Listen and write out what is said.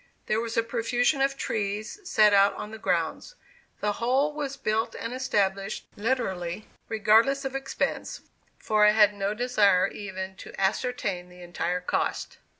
There was a profusion of trees set out on the grounds. The whole was built and established literally "regardless of expense," for I had no desire even to ascertain the entire cost.